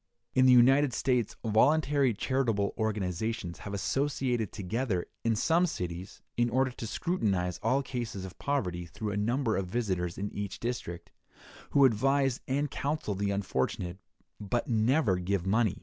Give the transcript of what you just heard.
In the United States voluntary charitable organizations have associated together, in some cities, in order to scrutinize all cases of poverty through a number of visitors in each district, who advise and counsel the unfortunate, but never give money.